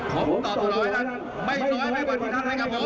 ผมตอบหน่อยแล้วไม่หน่อยไม่กว่าที่ท่านให้กับผม